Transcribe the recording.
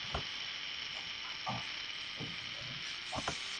En su interior alberga el Museo Arqueológico y Etnológico de Lucena.